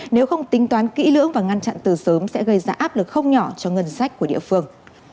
nếu không tính toán kỹ lưỡng và ngăn chặn từ sớm sẽ gây ra áp lực không nhỏ cho ngân sách của địa phương